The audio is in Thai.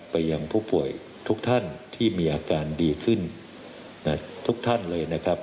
ยังผู้ป่วยทุกท่านที่มีอาการดีขึ้นทุกท่านเลยนะครับ